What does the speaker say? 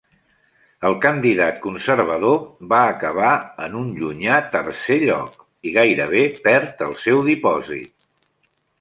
El candidat conservador va acabar en un llunyà tercer lloc, i gairebé perd el seu dipòsit.